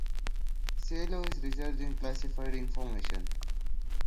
Cielo is researching classified information.